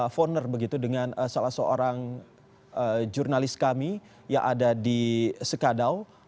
foner begitu dengan salah seorang jurnalis kami yang ada di sekadau